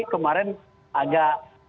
kemarin dianggap itu adalah